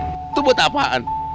itu buat apaan